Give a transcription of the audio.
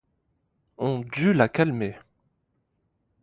On dut la calmer.